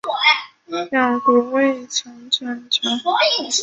两国未曾建交。